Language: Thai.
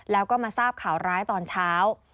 แล้วก็มาทราบข่าวร้ายตอนเช้า